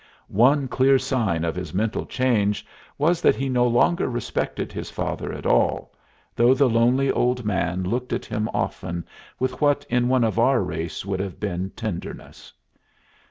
One clear sign of his mental change was that he no longer respected his father at all, though the lonely old man looked at him often with what in one of our race would have been tenderness.